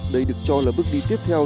đây được cho là bước đi tiếp theo